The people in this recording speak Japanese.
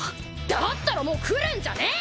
だったらもう来るんじゃねえ！